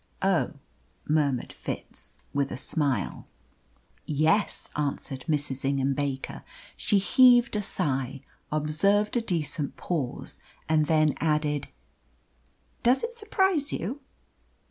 "Oh," murmured Fitz, with a smile. "Yes," answered Mrs. Ingham Baker. She heaved a sigh, observed a decent pause, and then added, "Does it surprise you?"